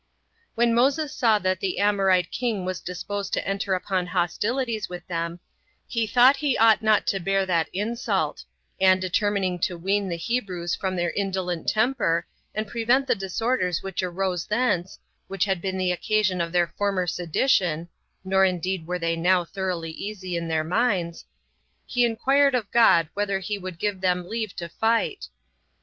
2. When Moses saw that the Amorite king was disposed to enter upon hostilities with them, he thought he ought not to bear that insult; and, determining to wean the Hebrews from their indolent temper, and prevent the disorders which arose thence, which had been the occasion of their former sedition, [nor indeed were they now thoroughly easy in their minds,] he inquired of God, whether he would give him leave to fight?